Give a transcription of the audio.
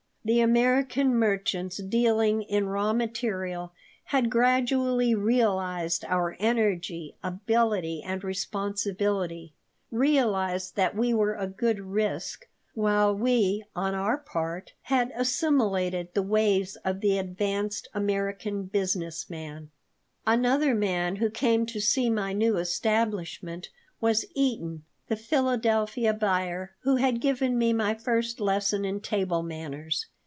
The American merchants dealing in raw material had gradually realized our energy, ability, and responsibility realized that we were a good risk, while we, on our part, had assimilated the ways of the advanced American business man Another man who came to see my new establishment was Eaton, the Philadelphia buyer who had given me my first lesson in table manners.